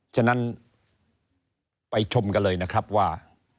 ฉะนั้นไปชมกันเลยนะครับว่า